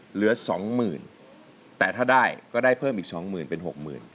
เหลือสองหมื่นแต่ถ้าได้ก็ได้เพิ่มอีกสองหมื่นเป็นหกหมื่น